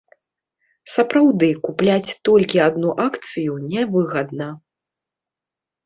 Сапраўды, купляць толькі адну акцыю нявыгадна.